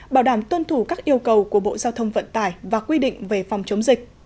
bảo đảm tuân thủ các yêu cầu của bộ giao thông vận tải và quy định về phòng chống dịch